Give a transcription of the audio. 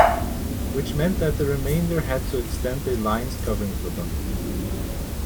Which meant that the remainder had to extend their lines covering for them.